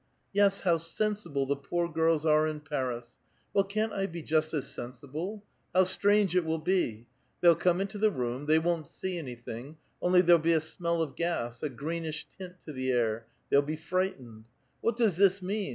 Yes, how sensible the poor girls are in Paris! Well, can't I be just as sensible? Ilow strange it will be ! They'll come into the room ; they won't see anything ; only there'll be a smell of gas, a green ish tint to the air ; they'll be frightened. ' What does this mean?